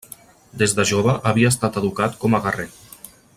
Des de jove havia estat educat com a guerrer.